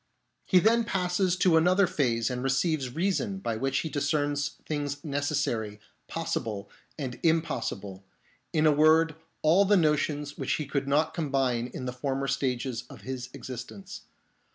He then passes to another phase and receives reason, by which he discerns things necessary, possible, and impossible ; in a word, all the notions which he could not combine in the former stages of his existence.